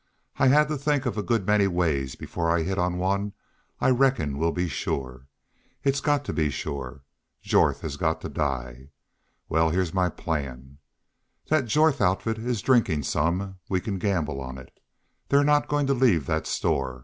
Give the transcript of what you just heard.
I had to think of a good many ways before I hit on one I reckon will be shore. It's got to be SHORE. Jorth has got to die! Wal, heah's my plan.... Thet Jorth outfit is drinkin' some, we can gamble on it. They're not goin' to leave thet store.